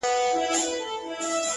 طبله” باجه” منگی” سیتار” رباب” ه یاره”